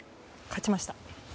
勝ちました。